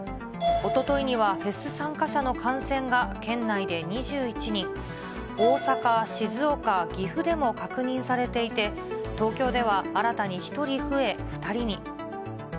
おとといにはフェス参加者の感染が県内で２１人、大阪、静岡、岐阜でも確認されていて、東京では新たに１人増え、２人に。